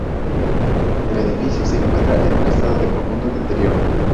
El edificio se encuentra en un estado de profundo deterioro.